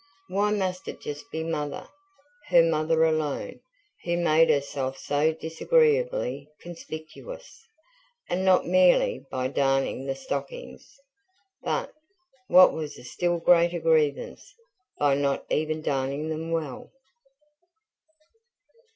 Why must it just be Mother her mother alone who made herself so disagreeably conspicuous, and not merely by darning the stockings, but, what was a still greater grievance, by not even darning them well?